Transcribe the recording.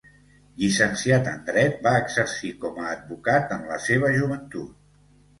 Llicenciat en Dret, va exercir com a advocat en la seva joventut.